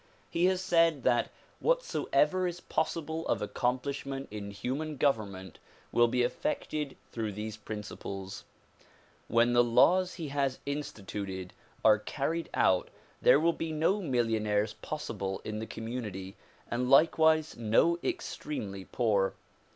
He has said that whatsoever is possible of accomplishment in human government will be effected through these principles. When the laws he has insti tuted are carried out there will be no millionaires possible in the community and likewise no extremely poor.